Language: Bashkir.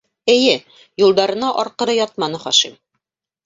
Эйе, юлдарына арҡыры ятманы Хашим.